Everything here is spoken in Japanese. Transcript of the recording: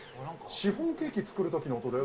シフォンケーキ作るときの音